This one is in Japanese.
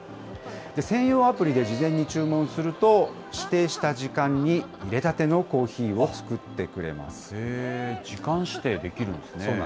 専用アプリで事前に注文すると、指定した時間にいれたてのコーヒ時間指定できるんですね。